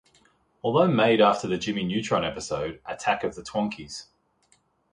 Although made after the "Jimmy Neutron" episode, "Attack of the Twonkies!